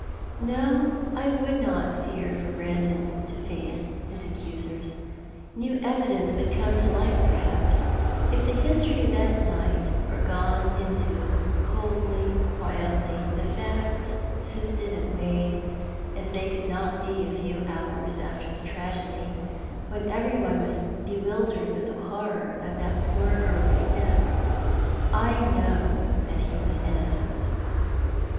No, I would not fear for Brandon to face his accusers. New evidence would come to light perhaps — if the history of that night were gone into coldly, quietly, the facts sifted and weighed as they could not be a few hours after the tragedy, when every one was bewildered with the horror of that poor girl's death. I know that he was innocent."